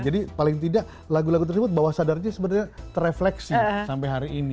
jadi paling tidak lagu lagu tersebut bahwa sadarnya sebenarnya terefleksi sampai hari ini